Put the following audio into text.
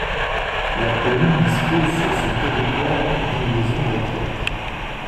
La commune dispose sur son territoire d'une maison de retraite.